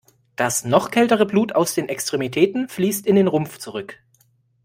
Das noch kältere Blut aus den Extremitäten fließt in den Rumpf zurück.